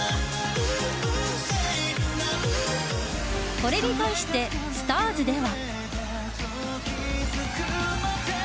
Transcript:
これに対して「ＳＴＡＲＳ」では。